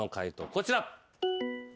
こちら。